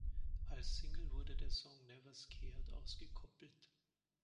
Als Single wurde der Song "Never Scared" ausgekoppelt.